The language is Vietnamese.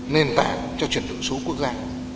nền tảng cho chuyển đổi số quốc gia